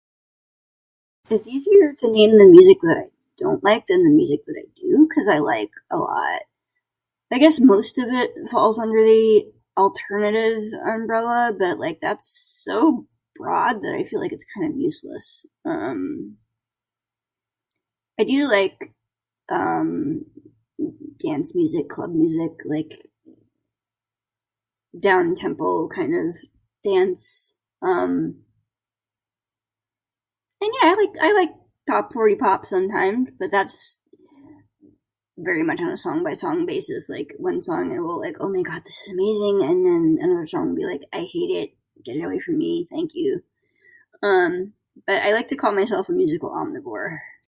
"It's easier to name the music that I don't like than the music that I do cuz I like a lot. I guess most of it falls under the alternative umbrella, but, like, that's so broad that I feel like its kinda useless. Um, I do like, um, dance music, club music, like... down-tempo kind of dance. Um, and yeah, I like I like top forty pop sometimes, but that's very much on a song by song basis. Like one song will be like, ""Oh my god, this is amazing"" and then another song will be like, ""I hate it get it away from me, thank you"". Um, but I like to think of myself as a ""musical omnivore""."